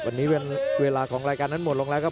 วันนี้เวลาของรายการนั้นหมดลงแล้วครับ